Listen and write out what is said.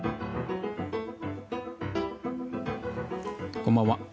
こんばんは。